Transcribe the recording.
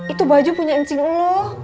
itu baju punya insting lo